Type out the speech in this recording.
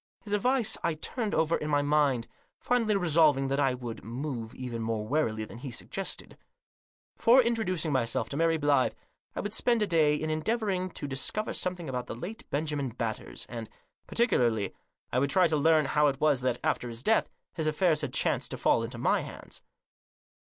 His advice I turned over in my mind, finally resolving that I would move even more warily than he suggested. Before in troducing myself to Mary Blyth, I would spend a day in endeavouring to discover something about the late Benjamin Batters, and, particularly, I would try to learn how it was that, after his death, his affairs had chanced to fall into my hands.